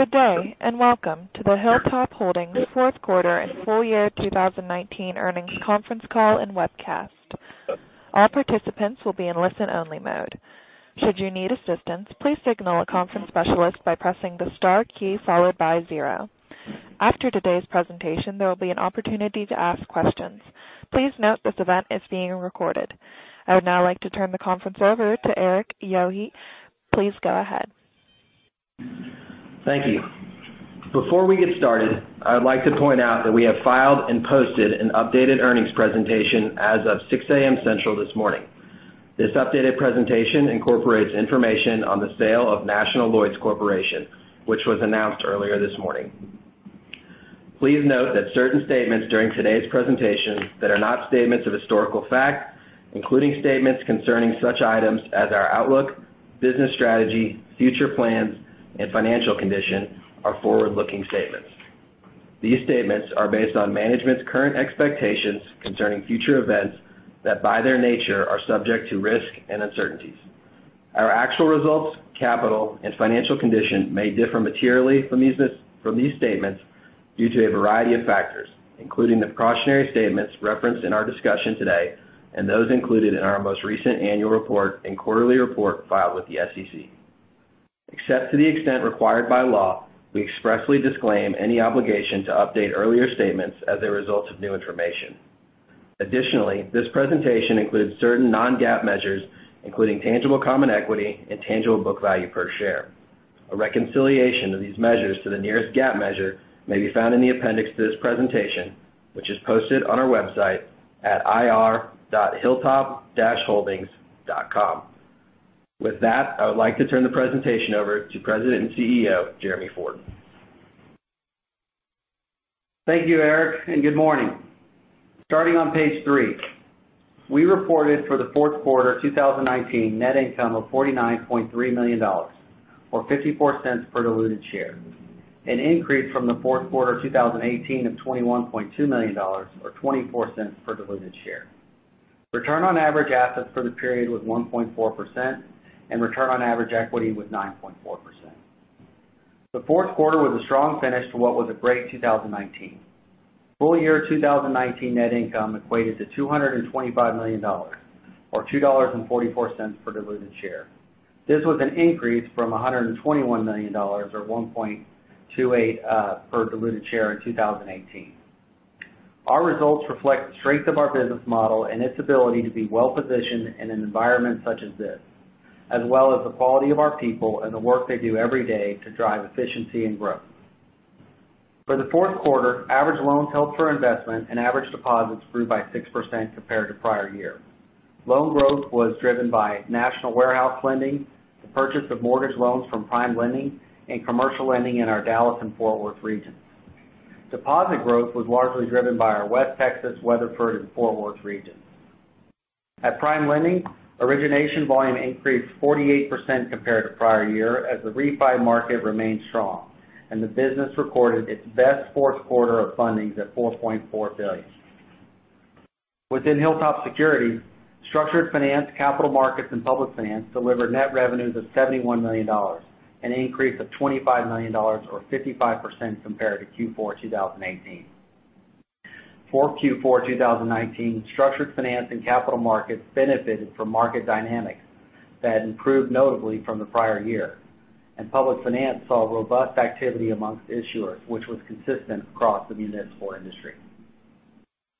Good day, and welcome to the Hilltop Holdings Fourth Quarter and Full Year 2019 Earnings Conference Call and Webcast. All participants will be in listen-only mode. Should you need assistance, please signal a conference specialist by pressing the star key followed by zero. After today's presentation, there will be an opportunity to ask questions. Please note this event is being recorded. I would now like to turn the conference over to Erik Yohe. Please go ahead. Thank you. Before we get started, I would like to point out that we have filed and posted an updated earnings presentation as of 6:00 A.M. Central this morning. This updated presentation incorporates information on the sale of National Lloyds Corporation, which was announced earlier this morning. Please note that certain statements during today's presentation that are not statements of historical fact, including statements concerning such items as our outlook, business strategy, future plans, and financial condition, are forward-looking statements. These statements are based on management's current expectations concerning future events that, by their nature, are subject to risk and uncertainties. Our actual results, capital, and financial condition may differ materially from these statements due to a variety of factors, including the cautionary statements referenced in our discussion today and those included in our most recent annual report and quarterly report filed with the SEC. Except to the extent required by law, we expressly disclaim any obligation to update earlier statements as a result of new information. Additionally, this presentation includes certain non-GAAP measures, including tangible common equity and tangible book value per share. A reconciliation of these measures to the nearest GAAP measure may be found in the appendix to this presentation, which is posted on our website at ir.hilltop-holdings.com. With that, I would like to turn the presentation over to President and CEO, Jeremy Ford. Thank you, Erik, and good morning. Starting on page three, we reported for the fourth quarter 2019 net income of $49.3 million, or $0.54 per diluted share, an increase from the fourth quarter 2018 of $21.2 million, or $0.24 per diluted share. Return on average assets for the period was 1.4%, and return on average equity was 9.4%. The fourth quarter was a strong finish to what was a great 2019. Full year 2019 net income equated to $225 million, or $2.44 per diluted share. This was an increase from $121 million, or $1.28 per diluted share in 2018. Our results reflect the strength of our business model and its ability to be well-positioned in an environment such as this, as well as the quality of our people and the work they do every day to drive efficiency and growth. For the fourth quarter, average loans held for investment and average deposits grew by 6% compared to prior year. Loan growth was driven by National Warehouse Lending, the purchase of mortgage loans from PrimeLending, and commercial lending in our Dallas and Fort Worth regions. Deposit growth was largely driven by our West Texas, Weatherford, and Fort Worth regions. At PrimeLending, origination volume increased 48% compared to prior year as the refi market remained strong, and the business recorded its best fourth quarter of fundings at $4.4 billion. Within HilltopSecurities, Structured Finance, Capital Markets, and Public Finance delivered net revenues of $71 million, an increase of $25 million or 55% compared to Q4 2018. For Q4 2019, Structured Finance and Capital Markets benefited from market dynamics that improved notably from the prior year, and Public Finance saw robust activity amongst issuers, which was consistent across the municipal industry.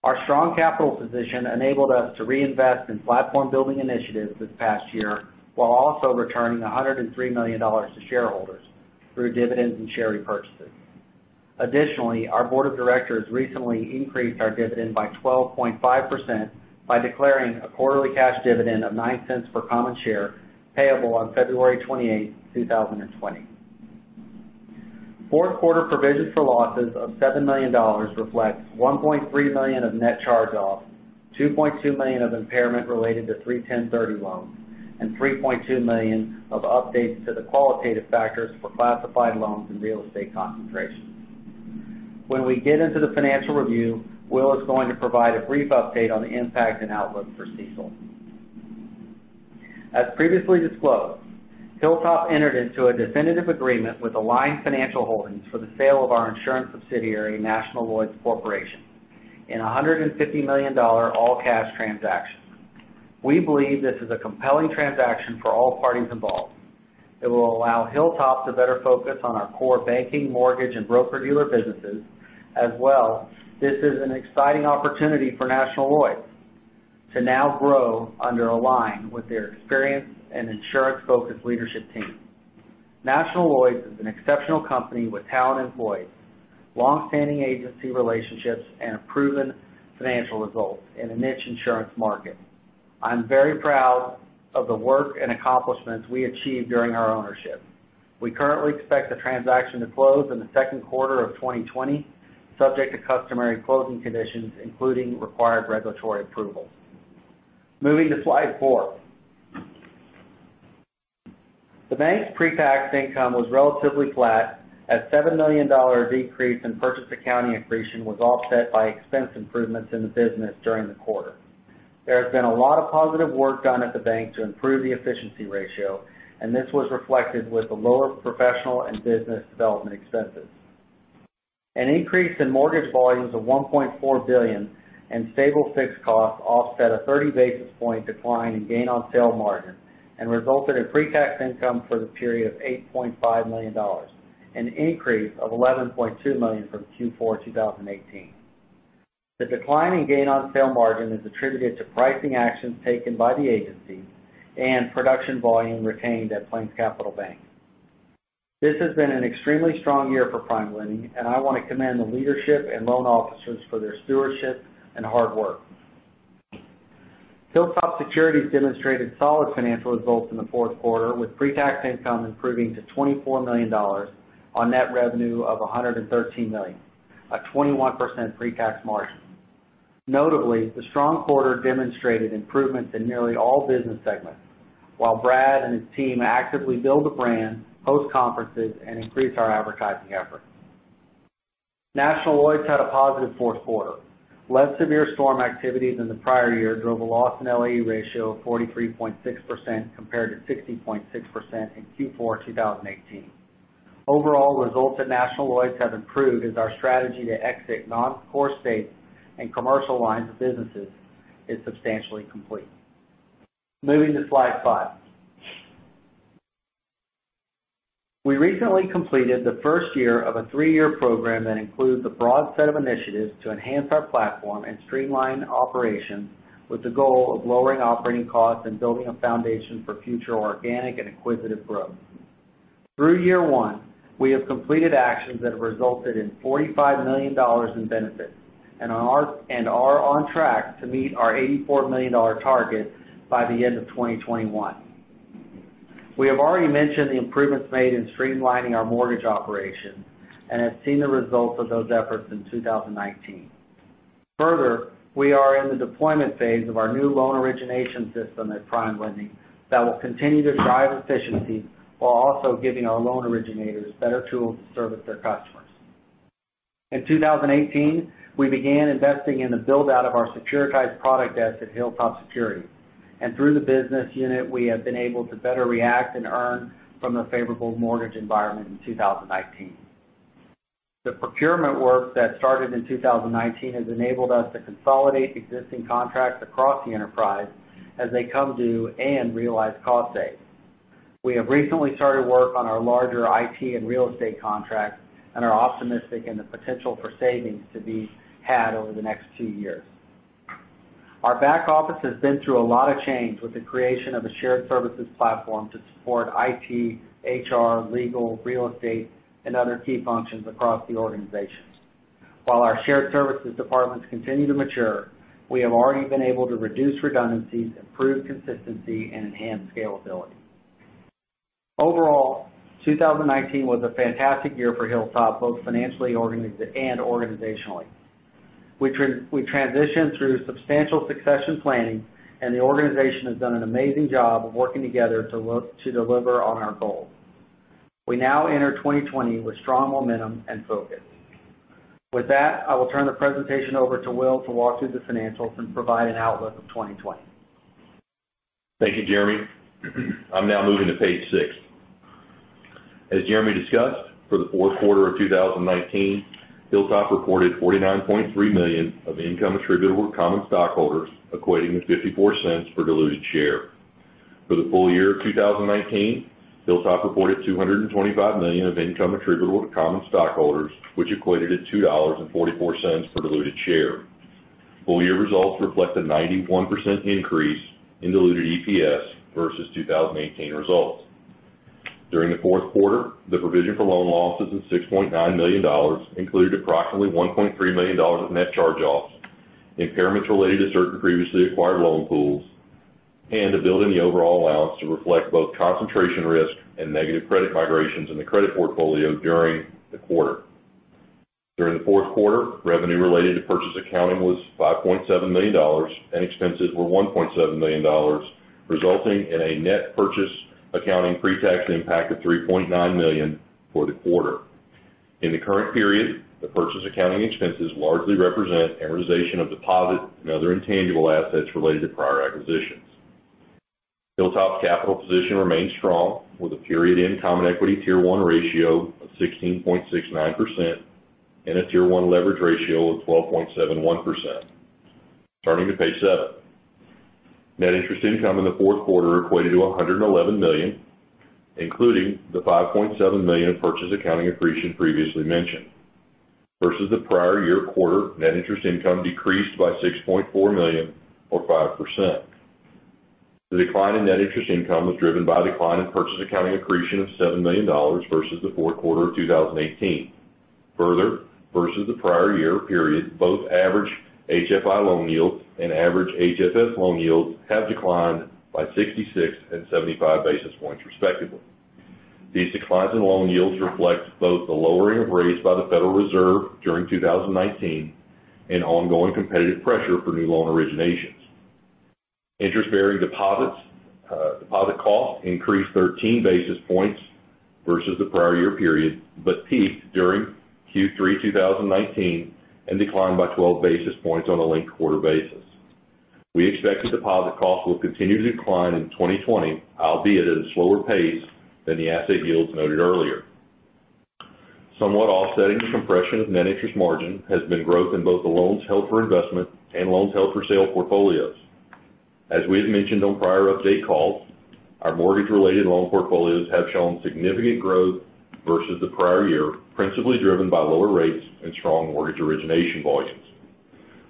Our strong capital position enabled us to reinvest in platform-building initiatives this past year while also returning $103 million to shareholders through dividends and share repurchases. Additionally, our Board of Directors recently increased our dividend by 12.5% by declaring a quarterly cash dividend of $0.09 per common share, payable on February 28, 2020. Fourth quarter provisions for losses of $7 million reflects $1.3 million of net charge-offs, $2.2 million of impairment related to 310-30 loans, and $3.2 million of updates to the qualitative factors for classified loans and real estate concentrations. When we get into the financial review, Will is going to provide a brief update on the impact and outlook for CECL. As previously disclosed, Hilltop entered into a definitive agreement with Align Financial Holdings for the sale of our insurance subsidiary, National Lloyds Corporation, in $150 million all-cash transaction. We believe this is a compelling transaction for all parties involved. It will allow Hilltop to better focus on our core banking, mortgage, and broker-dealer businesses. This is an exciting opportunity for National Lloyds to now grow under Align with their experienced and insurance-focused leadership team. National Lloyds is an exceptional company with talent employees, long-standing agency relationships, and proven financial results in a niche insurance market. I'm very proud of the work and accomplishments we achieved during our ownership. We currently expect the transaction to close in the second quarter of 2020, subject to customary closing conditions, including required regulatory approval. Moving to slide four. The bank's pre-tax income was relatively flat at $7 million decrease, and purchase accounting accretion was offset by expense improvements in the business during the quarter. There has been a lot of positive work done at the bank to improve the efficiency ratio, and this was reflected with the lower professional and business development expenses. An increase in mortgage volumes of 1.4 billion and stable fixed costs offset a 30 basis point decline in gain on sale margin and resulted in pre-tax income for the period of $8.5 million, an increase of $11.2 million from Q4 2018. The decline in gain on sale margin is attributed to pricing actions taken by the agency and production volume retained at PlainsCapital Bank. This has been an extremely strong year for PrimeLending, and I want to commend the leadership and loan officers for their stewardship and hard work. HilltopSecurities demonstrated solid financial results in the fourth quarter with pre-tax income improving to $24 million on net revenue of $113 million, a 21% pre-tax margin. Notably, the strong quarter demonstrated improvements in nearly all business segments while Brad and his team actively build the brand, host conferences, and increase our advertising efforts. National Lloyds had a positive fourth quarter. Less severe storm activity than the prior year drove a loss and LAE ratio of 43.6%, compared to 60.6% in Q4 2018. Overall results at National Lloyds have improved as our strategy to exit non-core states and commercial lines of businesses is substantially complete. Moving to slide five. We recently completed the first year of a three-year program that includes a broad set of initiatives to enhance our platform and streamline operations with the goal of lowering operating costs and building a foundation for future organic and acquisitive growth. Through year one, we have completed actions that have resulted in $45 million in benefits, and are on track to meet our $84 million target by the end of 2021. We have already mentioned the improvements made in streamlining our mortgage operations and have seen the results of those efforts in 2019. Further, we are in the deployment phase of our new loan origination system at PrimeLending that will continue to drive efficiency while also giving our loan originators better tools to service their customers. In 2018, we began investing in the build-out of our securitized product desk at HilltopSecurities, and through the business unit, we have been able to better react and earn from the favorable mortgage environment in 2019. The procurement work that started in 2019 has enabled us to consolidate existing contracts across the enterprise as they come due and realize cost saves. We have recently started work on our larger IT and real estate contracts and are optimistic in the potential for savings to be had over the next two years. Our back office has been through a lot of change with the creation of a shared services platform to support IT, HR, legal, real estate, and other key functions across the organization. While our shared services departments continue to mature, we have already been able to reduce redundancies, improve consistency, and enhance scalability. Overall, 2019 was a fantastic year for Hilltop, both financially and organizationally. We transitioned through substantial succession planning, and the organization has done an amazing job of working together to deliver on our goals. We now enter 2020 with strong momentum and focus. With that, I will turn the presentation over to Will to walk through the financials and provide an outlook of 2020. Thank you, Jeremy. I'm now moving to page six. As Jeremy discussed, for the fourth quarter of 2019, Hilltop reported $49.3 million of income attributable to common stockholders, equating to $0.54 for diluted share. For the full year of 2019, Hilltop reported $225 million of income attributable to common stockholders, which equated to $2.44 per diluted share. Full year results reflect a 91% increase in diluted EPS versus 2018 results. During the fourth quarter, the provision for loan losses of $6.9 million included approximately $1.3 million of net charge-offs, impairments related to certain previously acquired loan pools, and a build in the overall allowance to reflect both concentration risk and negative credit migrations in the credit portfolio during the quarter. During the fourth quarter, revenue related to purchase accounting was $5.7 million and expenses were $1.7 million, resulting in a net purchase accounting pre-tax impact of $3.9 million for the quarter. In the current period, the purchase accounting expenses largely represent amortization of deposits and other intangible assets related to prior acquisitions. Hilltop capital position remains strong with a period-end Common Equity Tier 1 ratio of 16.69% and a Tier 1 Leverage Ratio of 12.71%. Turning to page seven. Net interest income in the fourth quarter equated to $111 million, including the $5.7 million of purchase accounting accretion previously mentioned. Versus the prior year quarter, net interest income decreased by $6.4 million, or 5%. The decline in net interest income was driven by a decline in purchase accounting accretion of $7 million versus the fourth quarter of 2018. Further, versus the prior year period, both average HFI loan yields and average HFS loan yields have declined by 66 basis points and 75 basis points respectively. These declines in loan yields reflect both the lowering of rates by the Federal Reserve during 2019 and ongoing competitive pressure for new loan originations. Interest-bearing deposits, deposit costs increased 13 basis points versus the prior year period, but peaked during Q3 2019, and declined by 12 basis points on a linked-quarter basis. We expect the deposit costs will continue to decline in 2020, albeit at a slower pace than the asset yields noted earlier. Somewhat offsetting the compression of net interest margin has been growth in both the loans held for investment and loans held for sale portfolios. As we have mentioned on prior update calls, our mortgage-related loan portfolios have shown significant growth versus the prior year, principally driven by lower rates and strong mortgage origination volumes.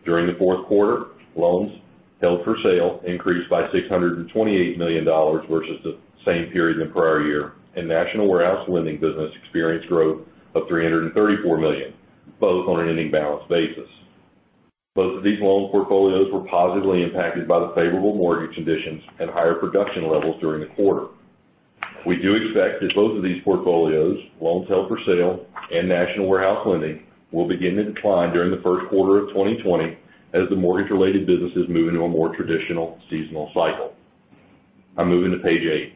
During the fourth quarter, loans held for sale increased by $628 million versus the same period in the prior year, and National Warehouse Lending business experienced growth of $334 million, both on an ending-balance basis. Both of these loan portfolios were positively impacted by the favorable mortgage conditions and higher production levels during the quarter. We do expect that both of these portfolios, loans held for sale and National Warehouse Lending, will begin to decline during the first quarter of 2020 as the mortgage-related businesses move into a more traditional seasonal cycle. I'm moving to page eight.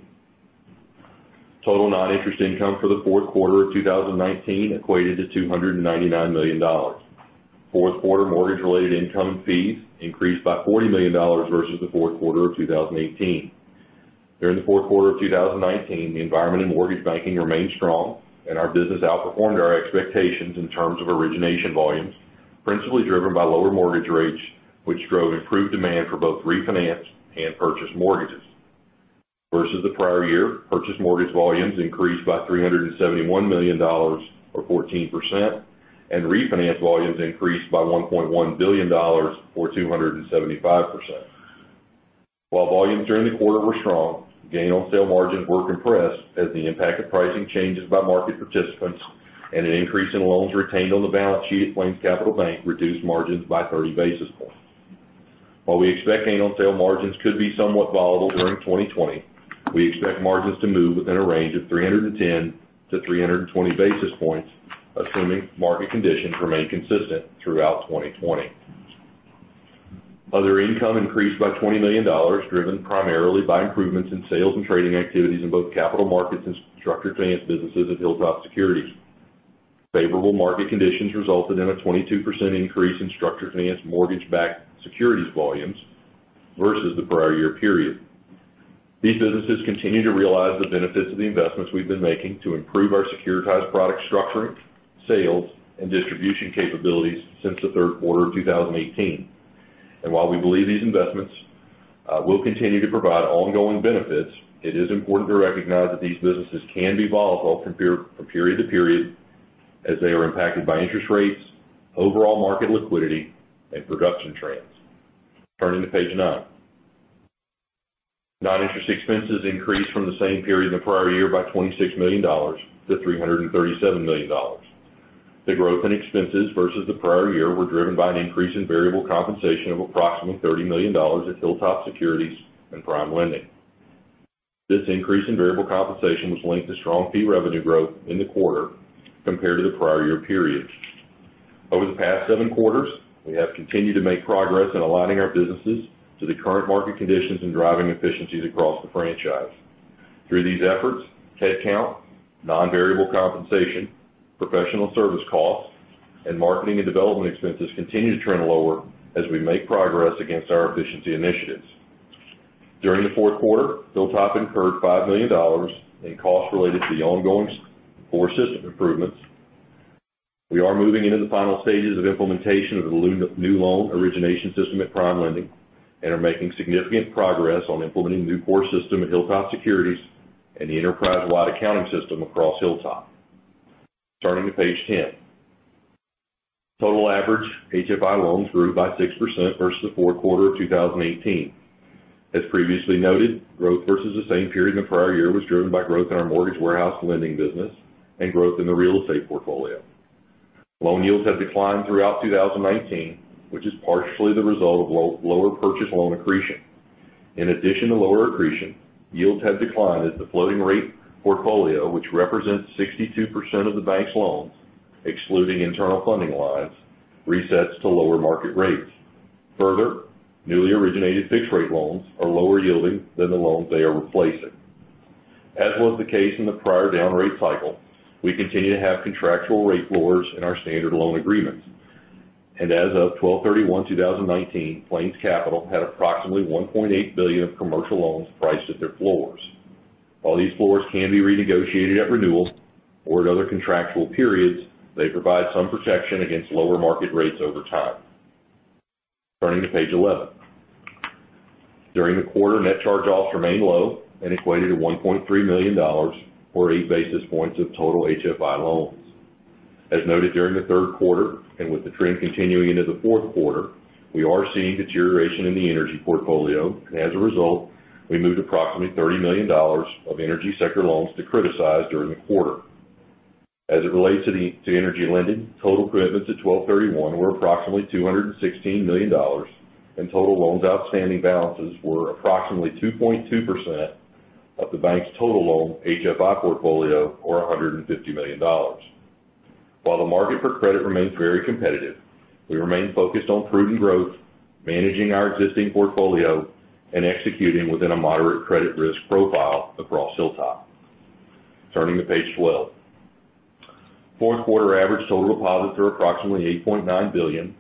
Total non-interest income for the fourth quarter of 2019 equated to $299 million. Fourth quarter mortgage-related income and fees increased by $40 million versus the fourth quarter of 2018. During the fourth quarter of 2019, the environment in mortgage banking remained strong and our business outperformed our expectations in terms of origination volumes, principally driven by lower mortgage rates, which drove improved demand for both refinance and purchase mortgages. Versus the prior year, purchase mortgage volumes increased by $371 million, or 14%, and refinance volumes increased by $1.1 billion, or 275%. While volumes during the quarter were strong, gain on sale margins were compressed as the impact of pricing changes by market participants and an increase in loans retained on the balance sheet, PlainsCapital Bank reduced margins by 30 basis points. While we expect gain on sale margins could be somewhat volatile during 2020, we expect margins to move within a range of 310 basis points-320 basis points, assuming market conditions remain consistent throughout 2020. Other income increased by $20 million, driven primarily by improvements in sales and trading activities in both Capital Markets and Structured Finance businesses at HilltopSecurities. Favorable market conditions resulted in a 22% increase in Structured Finance mortgage-backed securities volumes versus the prior year period. These businesses continue to realize the benefits of the investments we've been making to improve our securitized product structuring, sales, and distribution capabilities since the third quarter of 2018. While we believe these investments will continue to provide ongoing benefits, it is important to recognize that these businesses can be volatile from period-to-period as they are impacted by interest rates, overall market liquidity, and production trends. Turning to page nine. Non-interest expenses increased from the same period in the prior year by $26 million to $337 million. The growth in expenses versus the prior year were driven by an increase in variable compensation of approximately $30 million at HilltopSecurities and PrimeLending. This increase in variable compensation was linked to strong fee revenue growth in the quarter compared to the prior year period. Over the past seven quarters, we have continued to make progress in aligning our businesses to the current market conditions and driving efficiencies across the franchise. Through these efforts, head count, non-variable compensation, professional service costs, and marketing and development expenses continue to trend lower as we make progress against our efficiency initiatives. During the fourth quarter, Hilltop incurred $5 million in costs related to the ongoing core system improvements. We are moving into the final stages of implementation of the new loan origination system at PrimeLending, and are making significant progress on implementing the new core system at HilltopSecurities and the enterprise-wide accounting system across Hilltop. Turning to page 10. Total average HFI loans grew by 6% versus the fourth quarter of 2018. As previously noted, growth versus the same period in the prior year was driven by growth in our mortgage warehouse lending business and growth in the real estate portfolio. Loan yields have declined throughout 2019, which is partially the result of lower purchase loan accretion. In addition to lower accretion, yields have declined as the floating rate portfolio, which represents 62% of the bank's loans, excluding internal funding lines, resets to lower market rates. Further, newly originated fixed rate loans are lower yielding than the loans they are replacing. As was the case in the prior down rate cycle, we continue to have contractual rate floors in our standard loan agreements. As of 12/31/2019, PlainsCapital had approximately $1.8 billion of commercial loans priced at their floors. While these floors can be renegotiated at renewals or at other contractual periods, they provide some protection against lower market rates over time. Turning to page 11. During the quarter, net charge-offs remained low and equated to $1.3 million, or 8 basis points of total HFI loans. As noted during the third quarter, and with the trend continuing into the fourth quarter, we are seeing deterioration in the energy portfolio. As a result, we moved approximately $30 million of energy sector loans to criticize during the quarter. As it relates to the energy lending, total commitments at 12/31/2019 were approximately $216 million, and total loans outstanding balances were approximately 2.2% of the bank's total loan HFI portfolio, or $150 million. While the market for credit remains very competitive, we remain focused on prudent growth, managing our existing portfolio, and executing within a moderate credit risk profile across Hilltop. Turning to page 12. Fourth quarter average total deposits are approximately $8.9 billion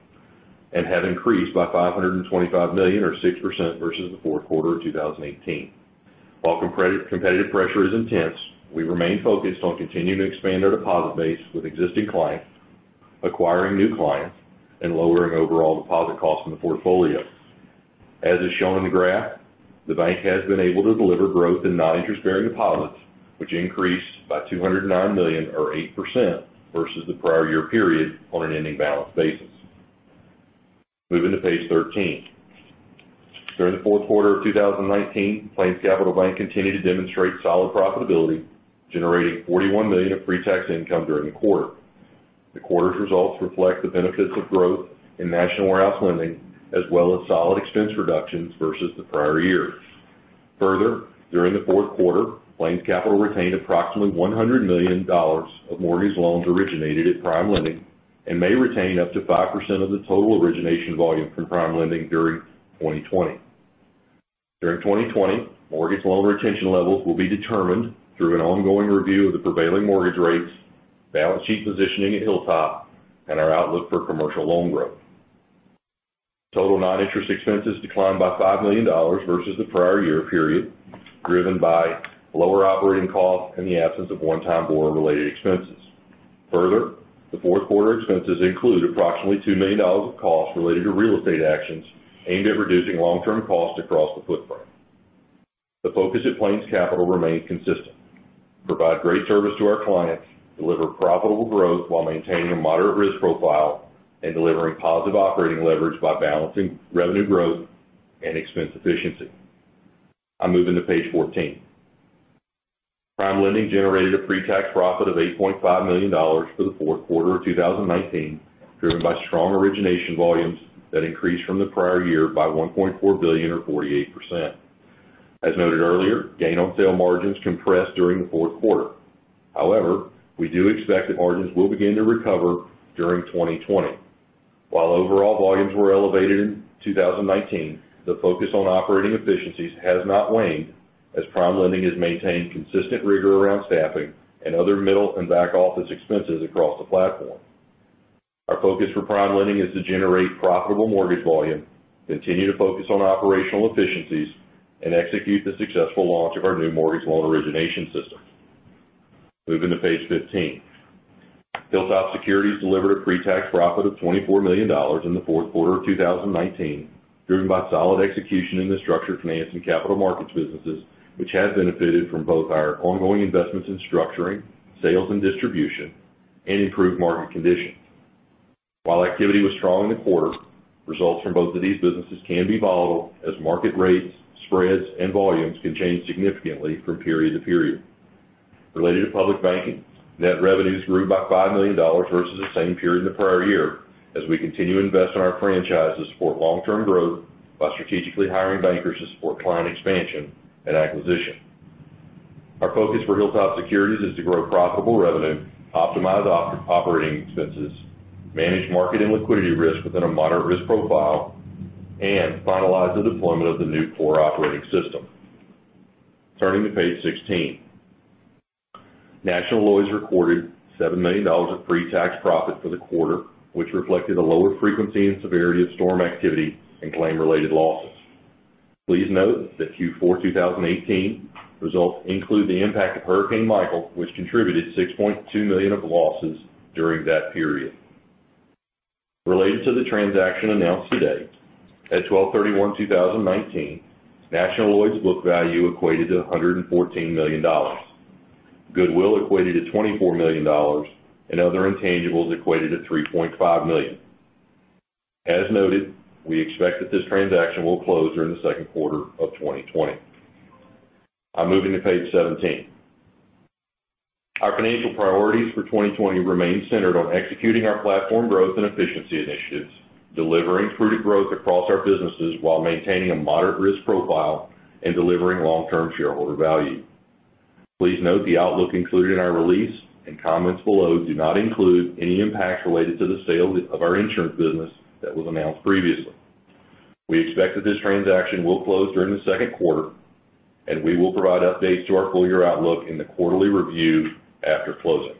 and have increased by $525 million or 6% versus the fourth quarter of 2018. While competitive pressure is intense, we remain focused on continuing to expand our deposit base with existing clients, acquiring new clients, and lowering overall deposit costs in the portfolio. As is shown in the graph, the bank has been able to deliver growth in non-interest bearing deposits, which increased by $209 million or 8% versus the prior year period on an ending-balance basis. Moving to page 13. During the fourth quarter of 2019, PlainsCapital Bank continued to demonstrate solid profitability, generating $41 million of pre-tax income during the quarter. The quarter's results reflect the benefits of growth in National Warehouse Lending, as well as solid expense reductions versus the prior year. Further, during the fourth quarter, PlainsCapital retained approximately $100 million of mortgage loans originated at PrimeLending, and may retain up to 5% of the total origination volume from PrimeLending during 2020. During 2020, mortgage loan retention levels will be determined through an ongoing review of the prevailing mortgage rates, balance sheet positioning at Hilltop, and our outlook for commercial loan growth. Total non-interest expenses declined by $5 million versus the prior year period, driven by lower operating costs and the absence of one-time borrower related expenses. Further, the fourth quarter expenses include approximately $2 million of costs related to real estate actions aimed at reducing long-term costs across the footprint. The focus at PlainsCapital remains consistent. Provide great service to our clients, deliver profitable growth while maintaining a moderate risk profile, and delivering positive operating leverage by balancing revenue growth and expense efficiency. I'm moving to page 14. PrimeLending generated a pre-tax profit of $8.5 million for the fourth quarter of 2019, driven by strong origination volumes that increased from the prior year by $1.4 billion or 48%. As noted earlier, gain on sale margins compressed during the fourth quarter. However, we do expect that margins will begin to recover during 2020. While overall volumes were elevated in 2019, the focus on operating efficiencies has not waned, as PrimeLending has maintained consistent rigor around staffing and other middle and back office expenses across the platform. Our focus for PrimeLending is to generate profitable mortgage volume, continue to focus on operational efficiencies, and execute the successful launch of our new mortgage loan origination system. Moving to page 15. HilltopSecurities delivered a pre-tax profit of $24 million in the fourth quarter of 2019, driven by solid execution in the Structured Finance and Capital Markets businesses, which has benefited from both our ongoing investments in structuring, sales and distribution, and improved market conditions. While activity was strong in the quarter, results from both of these businesses can be volatile as market rates, spreads, and volumes can change significantly from period-to-period. Related to public banking, net revenues grew by $5 million versus the same period in the prior year as we continue to invest in our franchise to support long-term growth by strategically hiring bankers to support client expansion and acquisition. Our focus for HilltopSecurities is to grow profitable revenue, optimize operating expenses, manage market and liquidity risk within a moderate risk profile, and finalize the deployment of the new core operating system. Turning to page 16. National Lloyds recorded $7 million of pre-tax profit for the quarter, which reflected a lower frequency and severity of storm activity and claim related losses. Please note that Q4 2018 results include the impact of Hurricane Michael, which contributed $6.2 million of losses during that period. Related to the transaction announced today, at 12/31/2019, National Lloyds book value equated to $114 million. Goodwill equated to $24 million, other intangibles equated to $3.5 million. As noted, we expect that this transaction will close during the second quarter of 2020. I'm moving to page 17. Our financial priorities for 2020 remain centered on executing our platform growth and efficiency initiatives, delivering prudent growth across our businesses while maintaining a moderate risk profile and delivering long-term shareholder value. Please note the outlook included in our release and comments below do not include any impacts related to the sale of our insurance business that was announced previously. We expect that this transaction will close during the second quarter. We will provide updates to our full year outlook in the quarterly review after closing.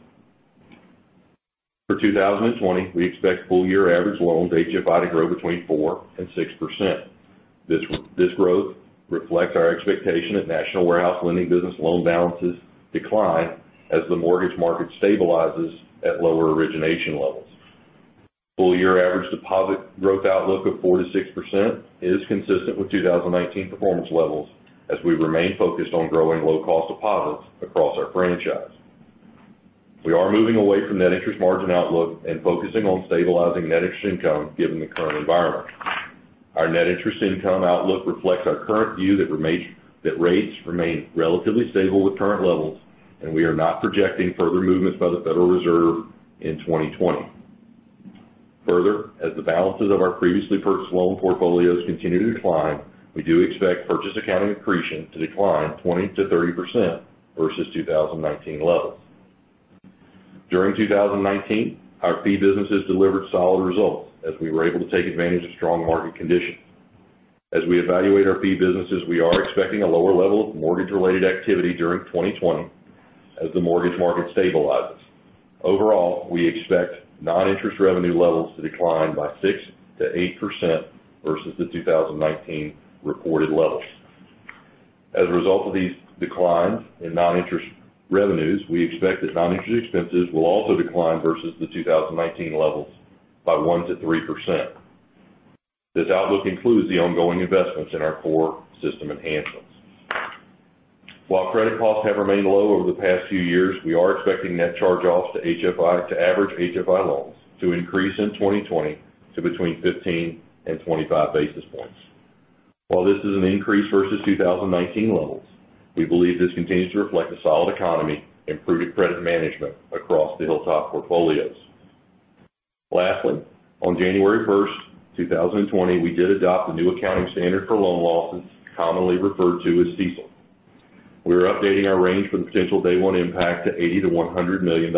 For 2020, we expect full year average loans HFI to grow between 4% and 6%. This growth reflects our expectation that National Warehouse Lending business loan balances decline as the mortgage market stabilizes at lower origination levels. Full year average deposit growth outlook of 4%-6% is consistent with 2019 performance levels, as we remain focused on growing low cost deposits across our franchise. We are moving away from net interest margin outlook and focusing on stabilizing net interest income given the current environment. Our net interest income outlook reflects our current view that rates remain relatively stable with current levels, and we are not projecting further movements by the Federal Reserve in 2020. As the balances of our previously purchased loan portfolios continue to decline, we do expect purchase accounting accretion to decline 20%-30% versus 2019 levels. During 2019, our fee businesses delivered solid results as we were able to take advantage of strong market conditions. As we evaluate our fee businesses, we are expecting a lower level of mortgage-related activity during 2020 as the mortgage market stabilizes. Overall, we expect non-interest revenue levels to decline by 6%-8% versus the 2019 reported levels. As a result of these declines in non-interest revenues, we expect that non-interest expenses will also decline versus the 2019 levels by 1%-3%. This outlook includes the ongoing investments in our core system enhancements. While credit costs have remained low over the past few years, we are expecting net charge-offs to HFI to average HFI loans to increase in 2020 to between 15 basis points and 25 basis points. While this is an increase versus 2019 levels, we believe this continues to reflect a solid economy, improving credit management across the Hilltop portfolios. Lastly, on January 1st, 2020, we did adopt the new accounting standard for loan losses, commonly referred to as CECL. We are updating our range for the potential day one impact to $80 million-$100 million.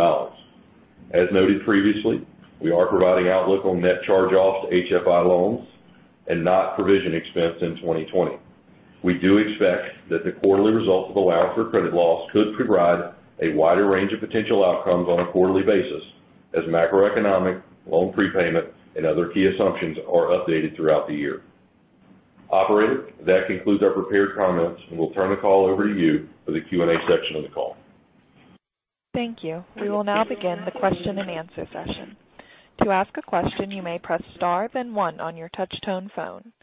As noted previously, we are providing outlook on net charge-offs to HFI loans and not provision expense in 2020. We do expect that the quarterly results of allowance for credit loss could provide a wider range of potential outcomes on a quarterly basis as macroeconomic, loan prepayment, and other key assumptions are updated throughout the year. Operator, that concludes our prepared comments, and we'll turn the call over to you for the Q&A section of the call. Thank you. We will now begin the question-and-answer session. To ask a question, you may press star then one on your touch-tone phone.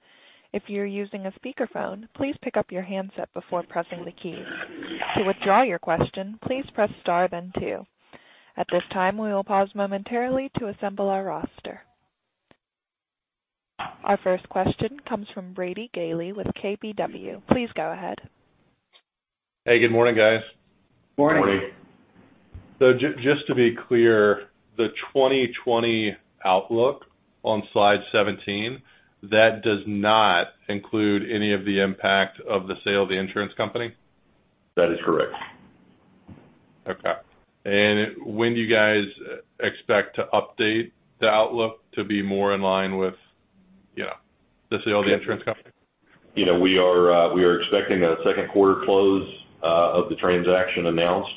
If you're using a speakerphone, please pick up your handset before pressing the key. To withdraw your question, please press star then two. At this time, we will pause momentarily to assemble our roster. Our first question comes from Brady Gailey with KBW. Please go ahead. Hey, good morning, guys. Morning. Morning. Just to be clear, the 2020 outlook on slide 17, that does not include any of the impact of the sale of the insurance company? That is correct. Okay. When do you guys expect to update the outlook to be more in line with the sale of the insurance company? We are expecting a second quarter close of the transaction announced.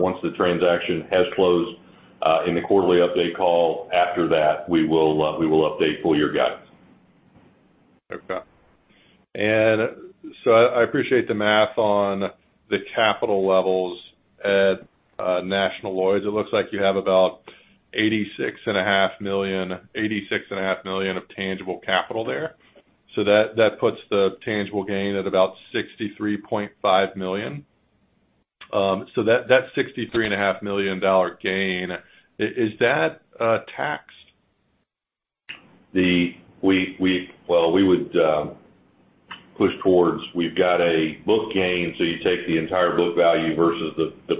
Once the transaction has closed, in the quarterly update call after that, we will update full year guidance. Okay. I appreciate the math on the capital levels at National Lloyds. It looks like you have about $86.5 million of tangible capital there. That puts the tangible gain at about $63.5 million. That $63.5 million gain, is that taxed? Well. We would push towards, we've got a book gain, so you take the entire book value versus the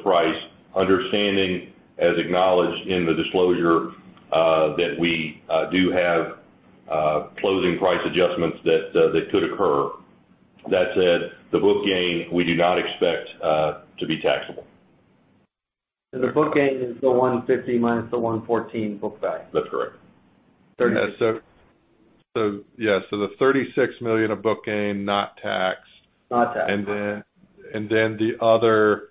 price understanding, as acknowledged in the disclosure, that we do have closing price adjustments that could occur. That said, the book gain, we do not expect to be taxable. The book gain is the $150 million minus the $114 million book value. That's correct. Yeah. The $36 million of book gain, not taxed. Not taxed. The other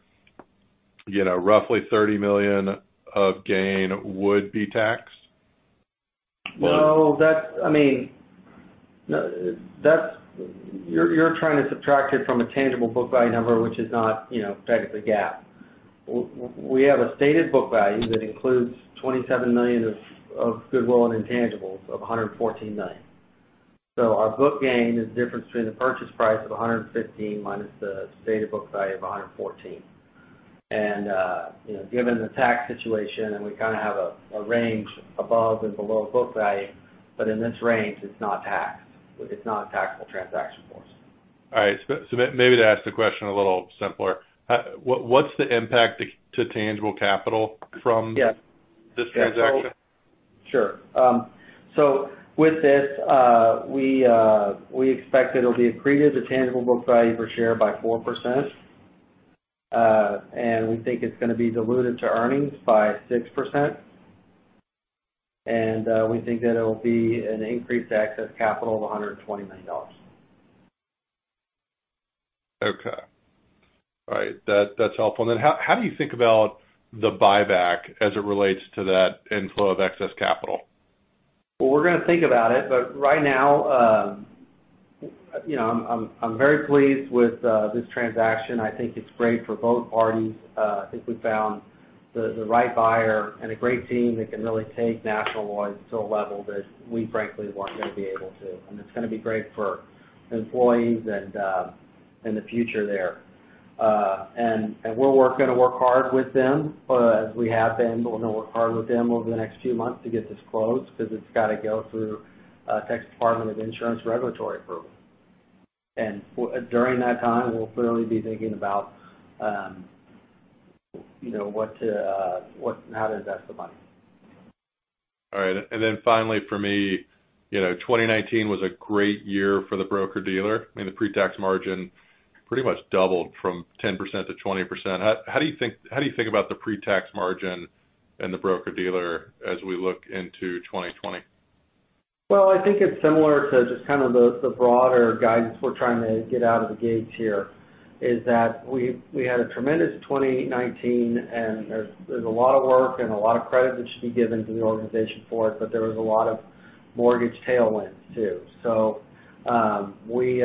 roughly $30 million of gain would be taxed? No. No. You're trying to subtract it from a tangible book value number, which is not technically GAAP. We have a stated book value that includes $27 million of goodwill and intangibles of $114 million. Our book gain is the difference between the purchase price of $115 million minus the stated book value of $114 million. Given the tax situation, we kind of have a range above and below book value. But in this range, it's not taxed. It's not a taxable transaction for us. All right. Maybe to ask the question a little simpler, what's the impact to tangible capital from- Yes.... this transaction? Sure. With this, we expect it'll be accretive to tangible book value per share by 4%, and we think it's going to be diluted to earnings by 6%, and we think that it'll be an increase to excess capital of $120 million. Okay. All right. That's helpful. Then how do you think about the buyback as it relates to that inflow of excess capital? Well, we're going to think about it. But right now, I'm very pleased with this transaction. I think it's great for both parties. I think we found the right buyer and a great team that can really take National Lloyds to a level that we frankly weren't going to be able to, and it's going to be great for employees and the future there. We're going to work hard with them, as we have been. We're going to work hard with them over the next few months to get this closed because it's got to go through Texas Department of Insurance regulatory approval. During that time, we'll clearly be thinking about how to invest the money. All right. Finally for me, 2019 was a great year for the broker-dealer. I mean, the pre-tax margin pretty much doubled from 10% to 20%. How do you think about the pre-tax margin and the broker-dealer as we look into 2020? Well, I think it's similar to just kind of the broader guidance we're trying to get out of the gate here, is that we had a tremendous 2019 and there's a lot of work and a lot of credit that should be given to the organization for it, but there was a lot of mortgage tailwinds, too. We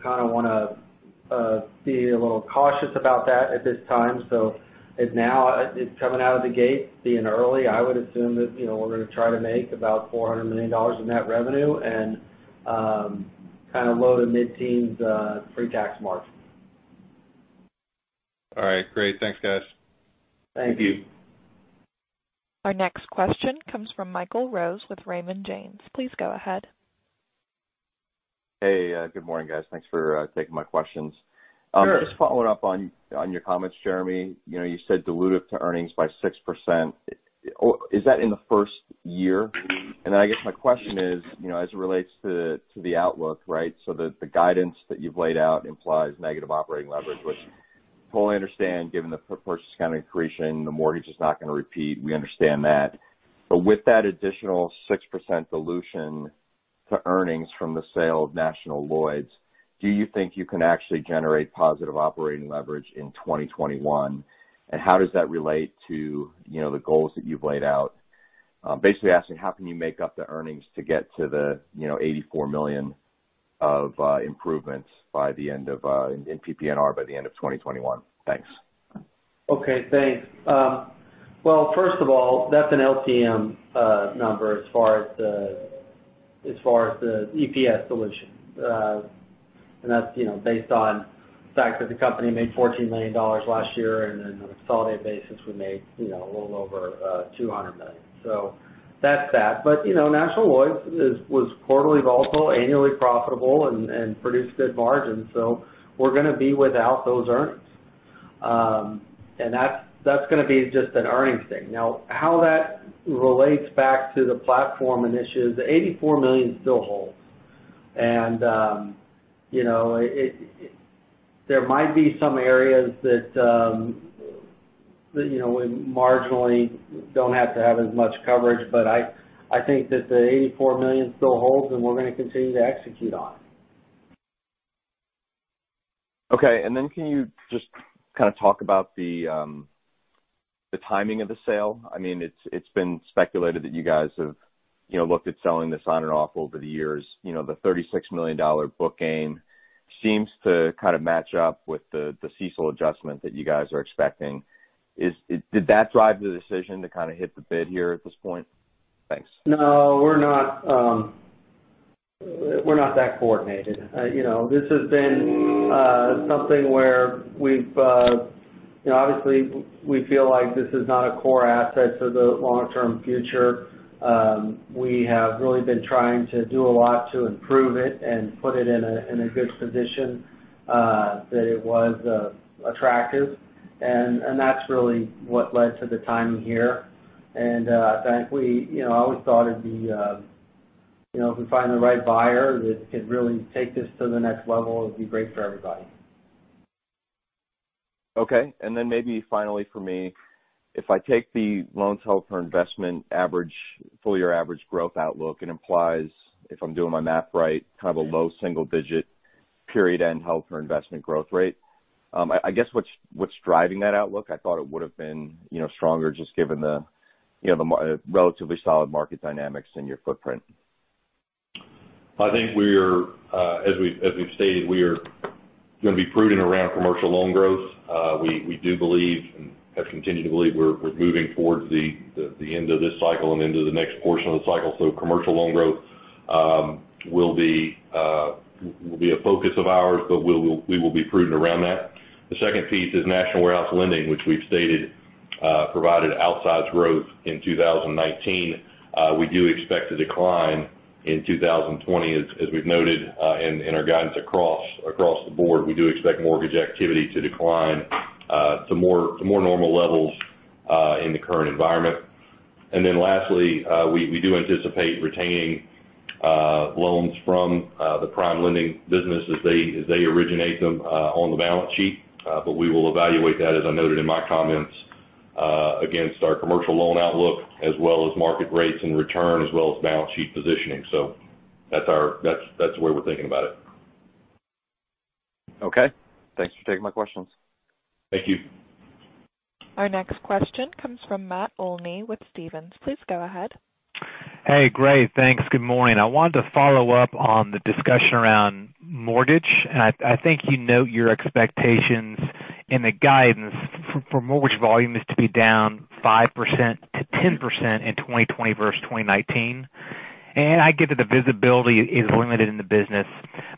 kind of want to be a little cautious about that at this time. Now, it's coming out of the gate. Being early, I would assume that we're going to try to make about $400 million in net revenue and kind of low to mid-teens pre-tax margin. All right, great. Thanks, guys. Thank you. Our next question comes from Michael Rose with Raymond James. Please go ahead. Hey, good morning, guys. Thanks for taking my questions. Sure. Just following up on your comments, Jeremy. You said dilutive to earnings by 6%. Is that in the first year? I guess my question is, as it relates to the outlook, right? The guidance that you've laid out implies negative operating leverage, which I totally understand given the purchase accounting accretion, the mortgage is not going to repeat. We understand that. With that additional 6% dilution to earnings from the sale of National Lloyds, do you think you can actually generate positive operating leverage in 2021? How does that relate to the goals that you've laid out? Basically asking how can you make up the earnings to get to the $84 million of improvements in PPNR by the end of 2021? Thanks. Thanks. First of all, that's an LTM number as far as the EPS dilution. That's based on the fact that the company made $14 million last year. On a consolidated basis, we made a little over $200 million. That's that. National Lloyds was quarterly volatile, annually profitable, and produced good margins. We're going to be without those earnings. That's going to be just an earnings thing. How that relates back to the platform initiatives, the $84 million still holds. There might be some areas that we marginally don't have to have as much coverage. I think that the $84 million still holds, and we're going to continue to execute on. Okay. Can you just kind of talk about the timing of the sale? It's been speculated that you guys have looked at selling this on and off over the years. The $36 million book gain seems to kind of match up with the CECL adjustment that you guys are expecting. Did that drive the decision to kind of hit the bid here at this point? Thanks. No, we're not that coordinated. This has been something where obviously, we feel like this is not a core asset to the long-term future. We have really been trying to do a lot to improve it and put it in a good position that it was attractive. That's really what led to the timing here. Frankly, I always thought if we find the right buyer that could really take this to the next level, it'd be great for everybody. Okay. Then maybe finally for me. If I take the loans held for investment average, full year average growth outlook, it implies, if I'm doing my math right, kind of a low single-digit period end held for investment growth rate. I guess, what's driving that outlook? I thought it would have been stronger just given the relatively solid market dynamics in your footprint. I think as we've stated, we are going to be prudent around commercial loan growth. We do believe, and have continued to believe we're moving towards the end of this cycle and into the next portion of the cycle. Commercial loan growth will be a focus of ours, but we will be prudent around that. The second piece is National Warehouse Lending, which we've stated provided outsized growth in 2019. We do expect a decline in 2020, as we've noted in our guidance across the board. We do expect mortgage activity to decline to more normal levels in the current environment. Lastly, we do anticipate retaining loans from the PrimeLending business as they originate them on the balance sheet. We will evaluate that, as I noted in my comments, against our commercial loan outlook as well as market rates and return, as well as balance sheet positioning. That's the way we're thinking about it. Okay. Thanks for taking my questions. Thank you. Our next question comes from Matt Olney with Stephens. Please go ahead. Hey, great. Thanks. Good morning. I wanted to follow up on the discussion around mortgage. I think you note your expectations in the guidance for mortgage volume is to be down 5%-10% in 2020 versus 2019. I get that the visibility is limited in the business.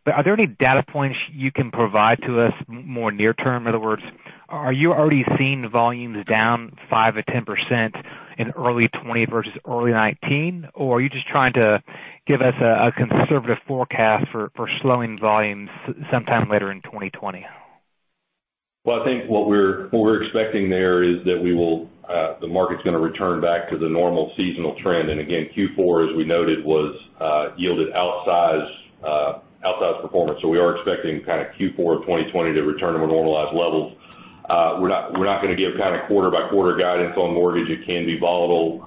Are there any data points you can provide to us more near term? In other words, are you already seeing volumes down 5%-10% in early 2020 versus early 2019? Are you just trying to give us a conservative forecast for slowing volumes sometime later in 2020? Well, I think what we're expecting there is that the market's going to return back to the normal seasonal trend. Again, Q4, as we noted, yielded outsized performance. We are expecting Q4 of 2020 to return to more normalized levels. We're not going to give quarter-by-quarter guidance on mortgage. It can be volatile.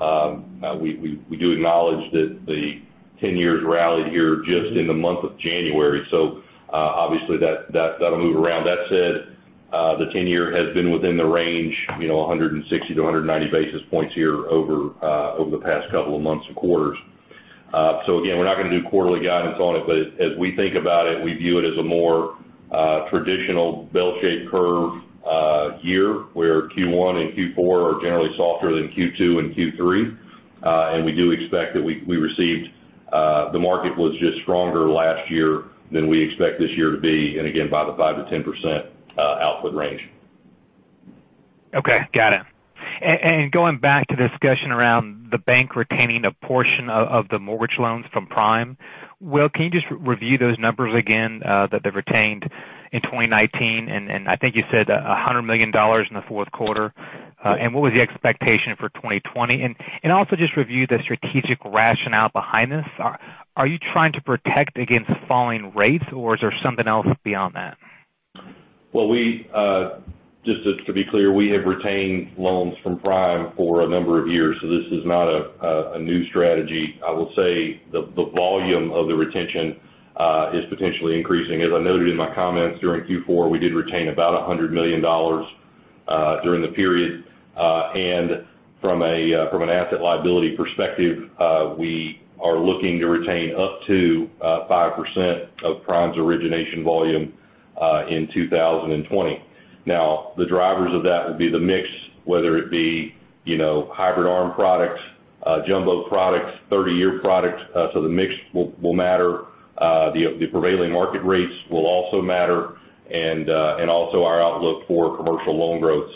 We do acknowledge that the 10-year rallied here just in the month of January. Obviously that'll move around. That said, the 10-year has been within the range, 160 basis points-190 basis points here over the past couple of months and quarters. Again, we're not going to do quarterly guidance on it. But as we think about it, we view it as a more traditional bell-shaped curve year, where Q1 and Q4 are generally softer than Q2 and Q3. We do expect that the market was just stronger last year than we expect this year to be, and again, by the 5%-10% output range. Okay. Got it. Going back to the discussion around the bank retaining a portion of the mortgage loans from Prime. Will, can you just review those numbers again, that they've retained in 2019? I think you said $100 million in the fourth quarter. What was the expectation for 2020? Also just review the strategic rationale behind this. Are you trying to protect against falling rates, or is there something else beyond that? Well, just to be clear, we have retained loans from Prime for a number of years, so this is not a new strategy. I will say the volume of the retention is potentially increasing. As I noted in my comments during Q4, we did retain about $100 million during the period. From an asset liability perspective, we are looking to retain up to 5% of Prime's origination volume in 2020. The drivers of that would be the mix, whether it be hybrid ARM products, jumbo products, 30-year products. The mix will matter. The prevailing market rates will also matter and also our outlook for commercial loan growth.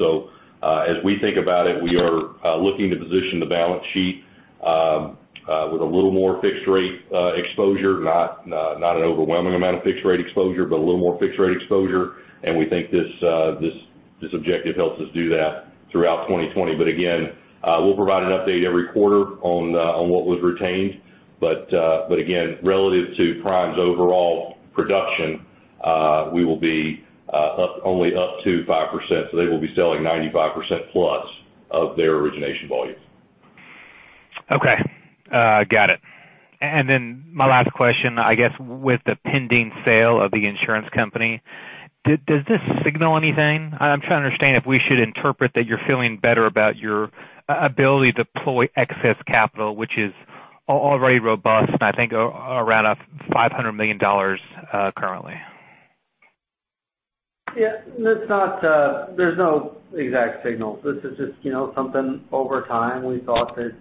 As we think about it, we are looking to position the balance sheet with a little more fixed rate exposure, not an overwhelming amount of fixed rate exposure, but a little more fixed rate exposure. We think this objective helps us do that throughout 2020. Again, we'll provide an update every quarter on what was retained. Again, relative to Prime's overall production, we will be only up to 5%,. They will be selling 95%+ of their origination volume. Okay. Got it. My last question, I guess, with the pending sale of the insurance company. Does this signal anything? I'm trying to understand if we should interpret that you're feeling better about your ability to deploy excess capital, which is already robust and I think around $500 million currently. Yeah. There's no exact signal. This is just something over time, we thought that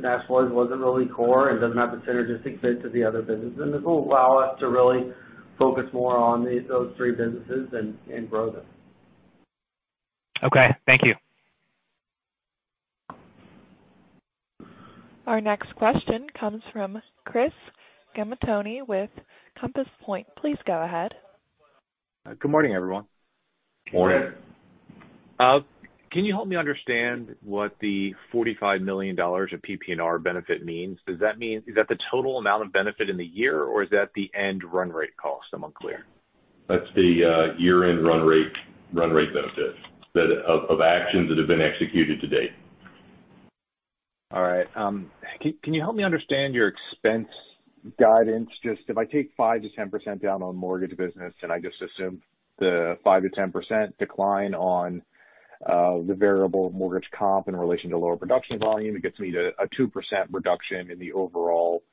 National Lloyds wasn't really core and doesn't have a synergistic fit to the other business. This will allow us to really focus more on those three businesses and grow them. Okay. Thank you. Our next question comes from Chris Gamaitoni with Compass Point. Please go ahead. Good morning, everyone. Morning. Can you help me understand what the $45 million of PPNR benefit means? Is that the total amount of benefit in the year, or is that the end run rate cost? I'm unclear. That's the year-end run rate benefit of actions that have been executed to date. All right. Can you help me understand your expense guidance? Just if I take 5%-10% down on mortgage business, and I just assume the 5%-10% decline on the variable mortgage comp in relation to lower production volume, it gets me to a 2% reduction in the overall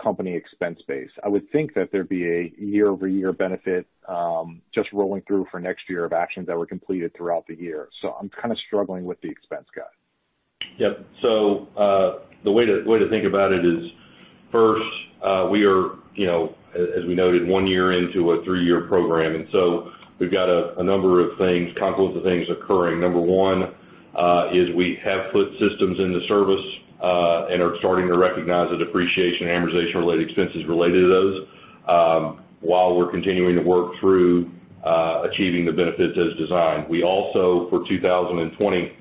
company expense base. I would think that there'd be a year-over-year benefit just rolling through for next year of actions that were completed throughout the year. I'm kind of struggling with the expense guide. Yep. The way to think about it is, first, we are, as we noted, one year into a three-year program. We've got a number of things, confluence of things occurring. Number one, is we have put systems into service and are starting to recognize the depreciation and amortization-related expenses related to those, while we're continuing to work through achieving the benefits as designed. We also, for 2020,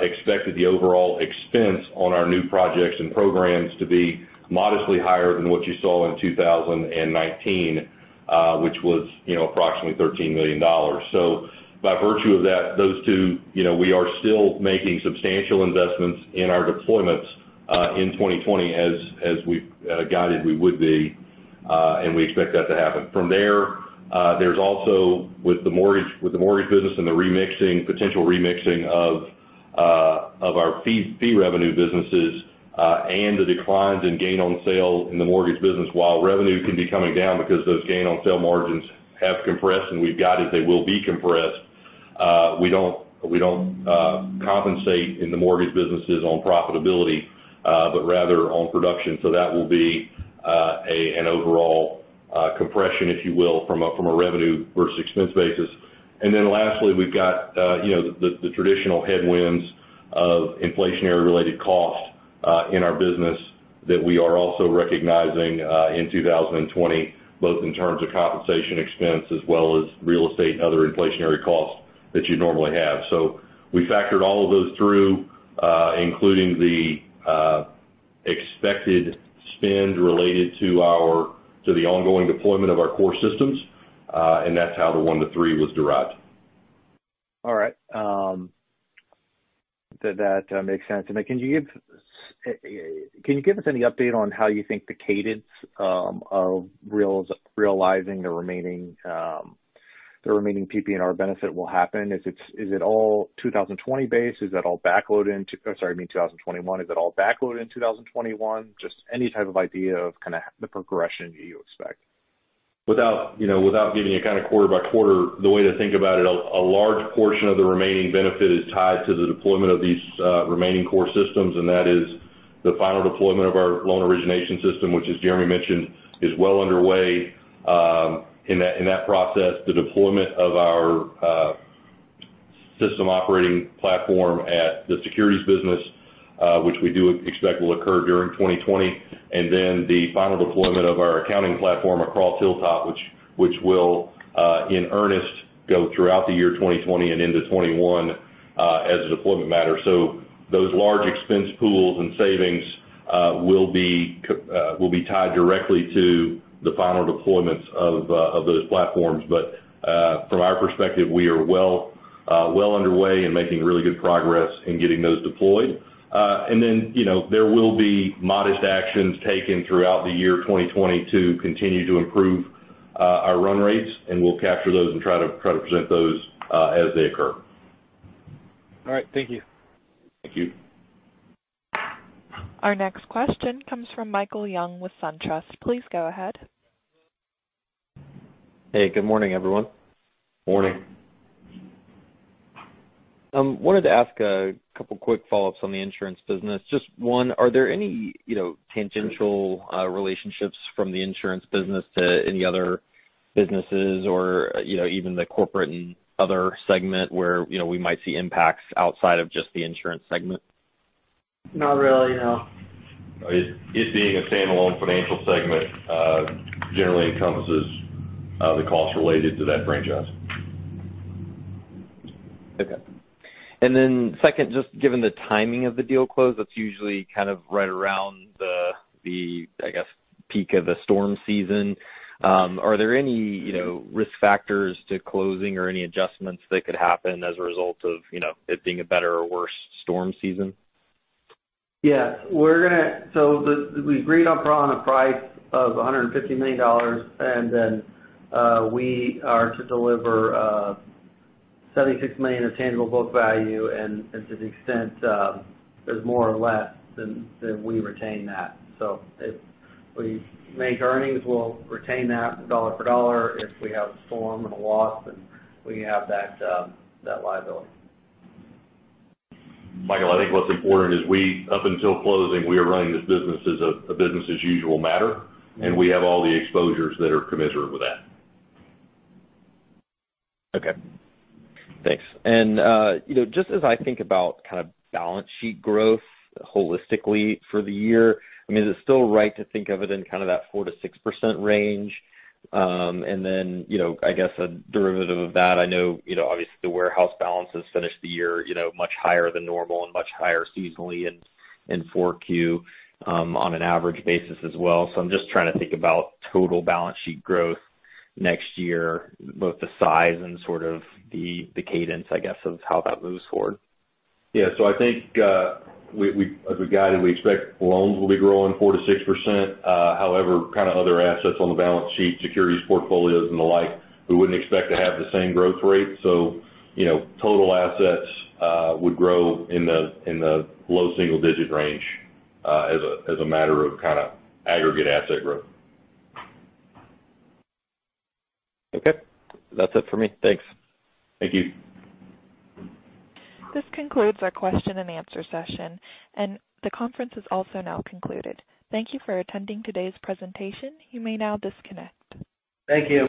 expected the overall expense on our new projects and programs to be modestly higher than what you saw in 2019, which was approximately $13 million. By virtue of that, those two, we are still making substantial investments in our deployments in 2020 as we've guided we would be, and we expect that to happen. From there, there's also with the mortgage business and the potential remixing of our fee revenue businesses, and the declines in gain on sale in the mortgage business, while revenue can be coming down because those gain on sale margins have compressed, and we've guided they will be compressed. We don't compensate in the mortgage businesses on profitability, but rather on production. That will be an overall compression, if you will, from a revenue versus expense basis. Lastly, we've got the traditional headwinds of inflationary related costs in our business that we are also recognizing in 2020, both in terms of compensation expense as well as real estate and other inflationary costs that you normally have. We factored all of those through, including the expected spend related to the ongoing deployment of our core systems. That's how the one to three was derived. All right. That makes sense. Can you give us any update on how you think the cadence of realizing the remaining PPNR benefit will happen? Is it all 2020 based? Is that all backloaded into, sorry, I mean 2021? Is it all backloaded in 2021? Just any type of idea of kind of the progression you expect? Without giving you kind of quarter-by-quarter, the way to think about it, a large portion of the remaining benefit is tied to the deployment of these remaining core systems. That is the final deployment of our loan origination system, which, as Jeremy mentioned, is well underway in that process. The deployment of our system operating platform at the securities business, which we do expect will occur during 2020. The final deployment of our accounting platform across Hilltop, which will, in earnest, go throughout the year 2020 and into 2021 as a deployment matter. Those large expense pools and savings will be tied directly to the final deployments of those platforms. From our perspective, we are well underway and making really good progress in getting those deployed. Then, there will be modest actions taken throughout the year 2020 to continue to improve our run rates, and we'll capture those and try to present those as they occur. All right. Thank you. Thank you. Our next question comes from Michael Young with SunTrust. Please go ahead. Hey, good morning, everyone. Morning. Wanted to ask a couple quick follow-ups on the insurance business. Just one, are there any tangential relationships from the insurance business to any other businesses or even the corporate and other segment where we might see impacts outside of just the insurance segment? Not really, no. It being a standalone financial segment generally encompasses the costs related to that franchise. Okay. Second, just given the timing of the deal close, that's usually kind of right around the, I guess, peak of the storm season. Are there any risk factors to closing or any adjustments that could happen as a result of it being a better or worse storm season? We agreed upon a price of $150 million. We are to deliver $76 million of tangible book value. To the extent there's more or less, then we retain that. If we make earnings, we'll retain that dollar-for-dollar. If we have a storm and a loss, then we have that liability. Michael, I think what's important is up until closing, we are running this business as a business as usual matter. We have all the exposures that are commensurate with that. Okay. Thanks. Just as I think about kind of balance sheet growth holistically for the year. I mean, is it still right to think of it in kind of that 4%-6% range? Then I guess a derivative of that, I know obviously the warehouse balances finish the year much higher than normal and much higher seasonally in 4Q, on an average basis as well. I'm just trying to think about total balance sheet growth next year, both the size and sort of the cadence, I guess, of how that moves forward? Yeah. I think, as we've guided, we expect loans will be growing 4%-6%. However, kind of other assets on the balance sheet, securities portfolios and the like, we wouldn't expect to have the same growth rate. Total assets would grow in the low single-digit range as a matter of kind of aggregate asset growth. Okay. That's it for me. Thanks. Thank you. This concludes our question-and-answer session. The conference is also now concluded. Thank you for attending today's presentation. You may now disconnect. Thank you.